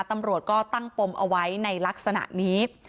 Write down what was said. ตำรวจก็ตั้งปมเอาไว้ในลักษณะนี้